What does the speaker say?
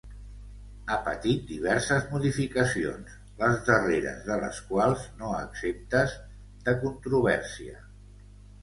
Ha patit diverses modificacions, les darreres de les quals no exemptes de controvèrsia.